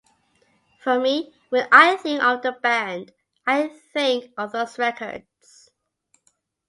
For me, when I think of the band, I think of those records.